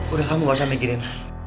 udah kamu gak usah mikirin